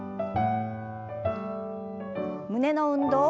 胸の運動。